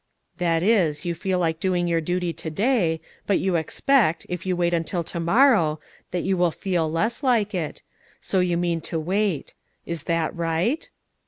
"That is, you feel like doing your duty today, but you expect, if you wait until to morrow, that you will feel less like it; so you mean to wait. Is that right?"